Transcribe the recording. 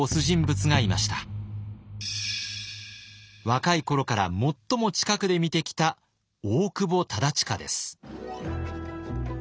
若い頃から最も近くで見てきた大久保忠隣です。